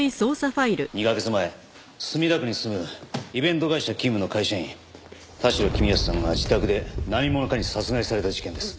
２カ月前墨田区に住むイベント会社勤務の会社員田代公康さんが自宅で何者かに殺害された事件です。